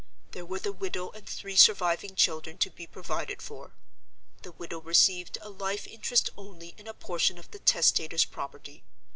There were the widow and three surviving children to be provided for. The widow received a life interest only in a portion of the testator's property.